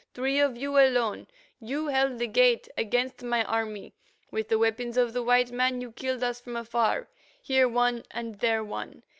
Three of you alone, you held the gate against my army. With the weapons of the white man you killed us from afar, here one and there one.